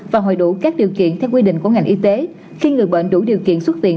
và hội đủ các điều kiện theo quy định của ngành y tế khi người bệnh đủ điều kiện xuất viện